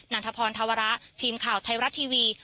ันทพรธวระทีมข่าวไทยรัฐทีวี